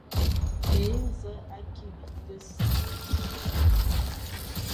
Bə zə àkì bìkəs.